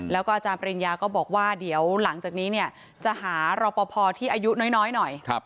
แล้วก็อาจารย์ปริญญาก็บอกว่าเดี๋ยวหลังจากนี้เนี่ยจะหารอปภที่อายุน้อยหน่อย